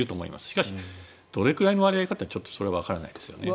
しかし、どれぐらいの割合かってそれはわからないですね。